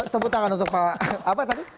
tepuk tangan untuk pak apa tapi